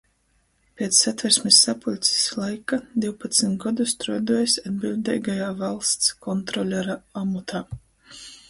Piec Satversmis sapuļcis laika divpadsmit godu struoduojs atbiļdeigajā Vaļsts kontrolera omotā.